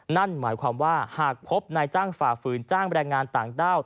นั่นหมายความว่าหากพบนายจ้างฝ่าฝืนจ้างแรงงานต่างด้าว